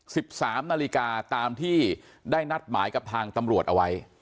สิบสามนาฬิกาตามที่ได้นัดหมายกับทางตำรวจเอาไว้